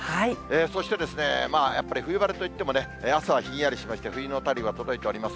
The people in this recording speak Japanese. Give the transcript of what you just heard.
そして、やっぱり冬晴れといっても、朝はひんやりしまして、冬の便りが届いております。